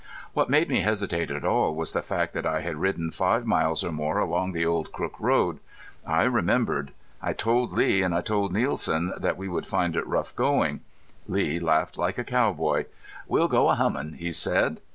What made me hesitate at all was the fact that I had ridden five miles or more along the old Crook road. I remembered. I told Lee and I told Nielsen that we would find it tough going. Lee laughed like a cowboy: "We'll go a hummin'," he said.